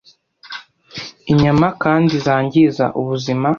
Inyama kandi zangiza ubuzima